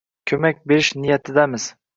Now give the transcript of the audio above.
ko‘mak berish niyatidamiz.